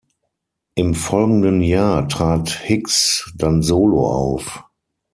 Im folgenden Jahr trat Hicks dann solo auf.